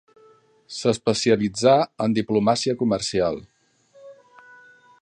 S'especialitzà en diplomàcia comercial.